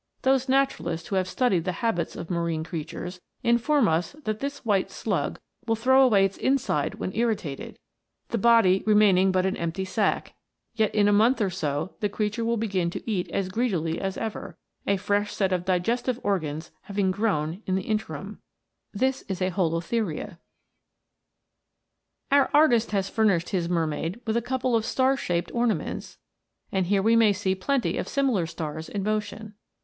Those natu ralists who have studied the habits of marine crea tures, inform us that this white slug will throw away its inside when irritated, the body remaining but an empty sac ; yet in a month or so the creature will begin to eat as greedily as ever, a fresh set of digestive organs having grown in the interim.* Our artist has furnished his mermaid with a couple of star shaped ornaments, and here we may see plenty of similar stars in motion.